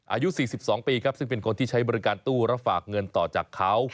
อายุ๔๒ปีครับซึ่งเป็นคนที่ใช้บริการตู้รับฝากเงินต่อจากเขา